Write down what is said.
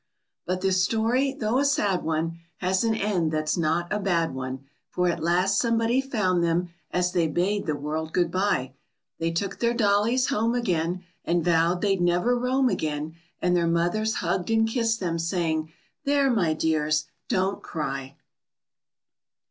_" But this story, though a sad one, Has an end that's not a bad one, For at last somebody found them as they bade the world good by; They took their dollies home again, And vowed they'd never roam again, And their mothers hugged and kissed them, saying, "There, my dears, don't cry!"